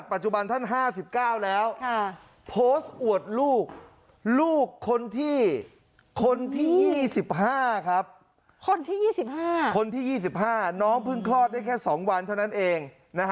ปัจจุบันท่าน๕๙แล้วโพสต์อวดลูกลูกคนที่๒๕ครับคนที่๒๕คนที่๒๕น้องเพิ่งคลอดได้แค่๒วันเท่านั้นเอง